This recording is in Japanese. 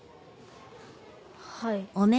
はい。